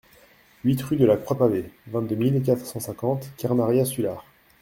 huit rue de la Croix Pavée, vingt-deux mille quatre cent cinquante Kermaria-Sulard